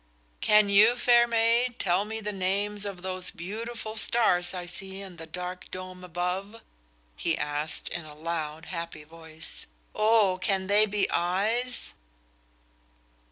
"Can you, fair maid, tell me the names of those beautiful stars I see in the dark dome above?" he asked, in a loud, happy voice. "Oh, can they be eyes?"